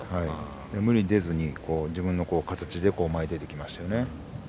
無理に出ずに自分の形で前に出ましたね。